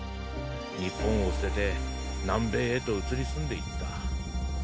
日本を捨てて南米へと移り住んでいった。